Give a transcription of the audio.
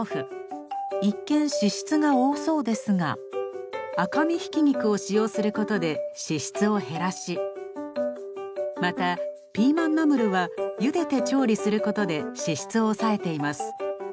一見脂質が多そうですが赤身ひき肉を使用することで脂質を減らしまたピーマンナムルはゆでて調理することで脂質を抑えています。